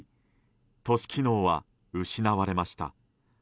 都市機能は失われました。